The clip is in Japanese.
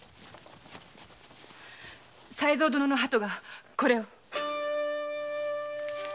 才三殿の鳩がこれを。